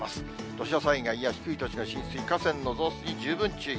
土砂災害や低い土地の浸水、河川の増水に十分注意。